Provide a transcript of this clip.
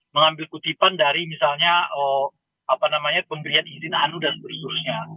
mengambil kutipan dari misalnya pemberian izin anu dan seterusnya